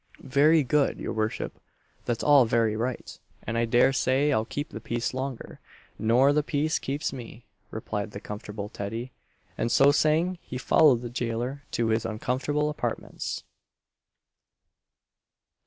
"Very good, your worship that's all very right and I dare say I'll keep the peace longer nor the peace keeps me," replied comfortable Teddy; and so saying he followed the jailer to his uncomfortable apartments.